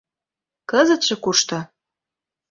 Кызытше кушто?